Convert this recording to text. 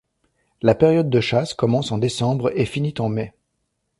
La période de chasse commence en décembre et finit en mai.